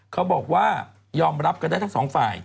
เขาบอกว่ายอมรับกันได้ทั้งสองฝ่าย